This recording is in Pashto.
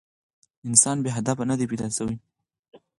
انسان بې هدفه نه دی پيداشوی